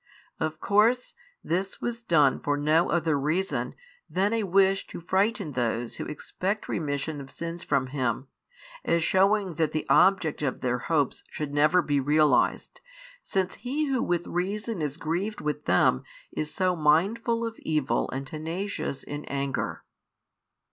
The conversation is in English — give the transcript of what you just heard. Of course this was done for no other reason than a wish to frighten those who expect remission of sins from Him, as shewing that the object of their hopes should never be realized, since He Who with reason is grieved with them is so mindful of evil and tenacious in anger.